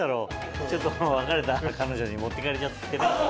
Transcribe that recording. ちょっと別れた彼女に持って行かれちゃってね。